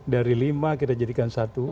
dari lima kita jadikan satu